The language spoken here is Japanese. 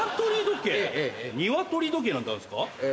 ニワトリ時計なんてあるんですか？